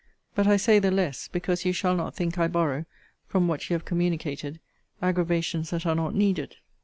But I say the less, because you shall not think I borrow, from what you have communicated, aggravations that are not needed.